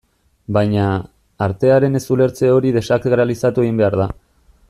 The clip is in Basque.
Baina, artearen ez-ulertze hori desakralizatu egin behar da.